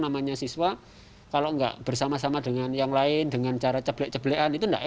namanya siswa kalau enggak bersama sama dengan yang lain dengan cara ceplek cebelean itu enggak